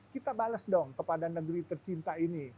kita bales dong kepada negeri tercinta ini